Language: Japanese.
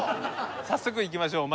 早速いきましょう。